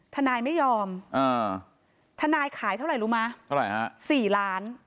ทนายไม่ยอมทนายขายเท่าไหร่รู้ไหมเท่าไหร่ฮะ๔ล้าน